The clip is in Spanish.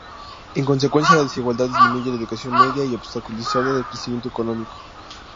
En consecuencia, la desigualdad disminuye la educación media y obstaculiza el crecimiento económico.